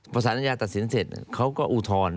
พอสารอาญาตัดสินเสร็จเขาก็อุทธรณ์